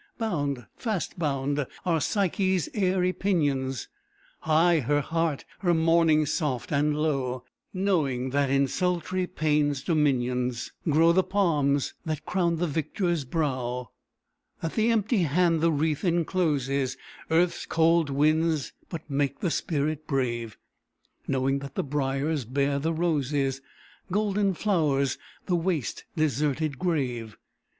Bound, fast bound, are Psyche's airy pinions: High her heart, her mourning soft and low Knowing that in sultry pain's dominions Grow the palms that crown the victor's brow; That the empty hand the wreath encloses; Earth's cold winds but make the spirit brave; Knowing that the briars bear the roses, Golden flowers the waste deserted grave.